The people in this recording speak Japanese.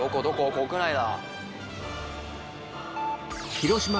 国内だ。